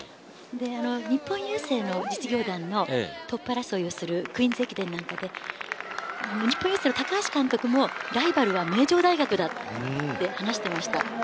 日本郵政の実業団のトップ争いをするクイーンズ駅伝なんかで日本郵政の高橋監督もライバルは名城大学だと話していました。